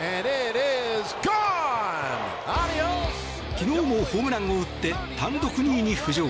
昨日もホームランを打って単独２位に浮上。